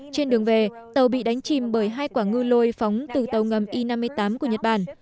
trên đường về tàu bị đánh chìm bởi hai quả ngư lôi phóng từ tàu ngầm i năm mươi tám của nhật bản